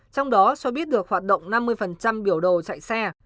trong đó cho biết được hoạt động năm mươi biểu đồ chạy xe